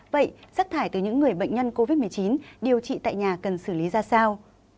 vậy rác thải từ những người bệnh nhân covid một mươi chín điều trị tại nhà cần xử lý ra sao